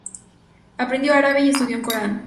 Aprendió árabe y estudió el Corán.